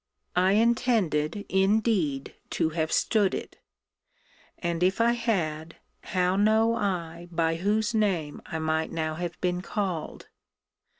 I intended, indeed, to have stood it: And, if I had, how know I by whose name I might now have been called?